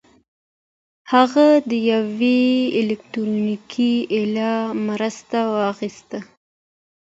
هغه د يوې الکټرونيکي الې مرسته وغوښته.